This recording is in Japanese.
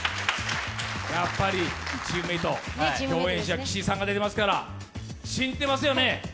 やっぱりチームメイト、共演者、岸井さんが出てますから、信じてますよね。